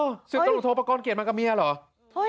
เออสืบตำรวจโทรประกอลเกียจมากับเมียเหรอเฮ้ย